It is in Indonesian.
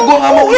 gue gak mau